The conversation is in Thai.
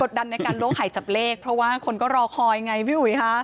ดันในการล้วงหายจับเลขเพราะว่าคนก็รอคอยไงพี่อุ๋ยค่ะ